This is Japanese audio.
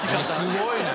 すごいね！